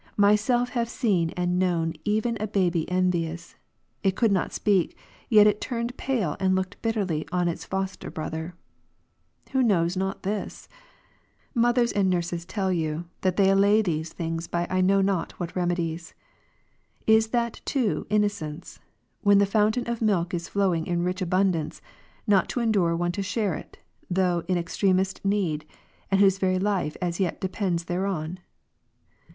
Myself have seen and known even a baby envious ; it could not speak, yet it turned pale, and looked bitterly on its foster brother. Who knows not this? Mothers and nurses tell you, that they allay these things by I know not what remedies. Is that too innocence, when the fountain of milk is flowing in rich abundance, not to endure one to share it, though in ex tremest need, and whose very life as yet depends thereon